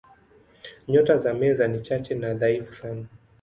Nyota za Meza ni chache na dhaifu sana.